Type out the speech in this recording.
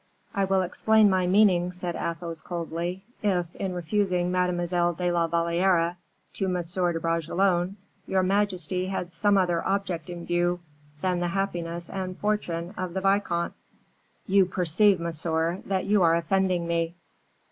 "I will explain my meaning," said Athos, coldly. "If, in refusing Mademoiselle de la Valliere to Monsieur de Bragelonne, your majesty had some other object in view than the happiness and fortune of the vicomte " "You perceive, monsieur, that you are offending me."